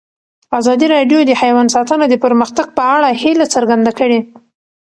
ازادي راډیو د حیوان ساتنه د پرمختګ په اړه هیله څرګنده کړې.